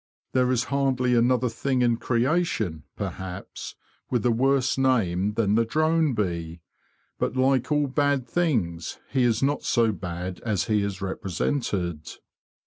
There is. hardly another thing in creation, perhaps, with a worse name than the drone bee. But like all bad things he is not so bad as he is represented.